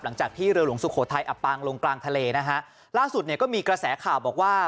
หลังจากที่เรือหลวงสุโขทัยอับปางลงกลางทะเลนะฮะล่าสุดเนี่ยก็มีกระแสข่าวบอกว่า